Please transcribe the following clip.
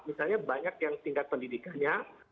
misalnya banyak yang tingkat pendidikannya